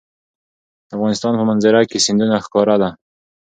د افغانستان په منظره کې سیندونه ښکاره ده.